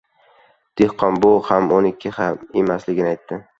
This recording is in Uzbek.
Dehqon bu ham uniki emasligini aytdi.